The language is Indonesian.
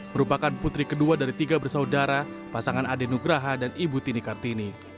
merupakan putri kedua dari tiga bersaudara pasangan adenugraha dan ibu tini kartini